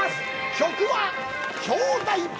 曲は「兄弟船」。